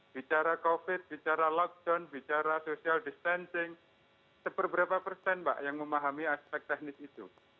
bicara covid bicara lockdown bicara social distancing seberapa persen mbak yang memahami aspek teknis itu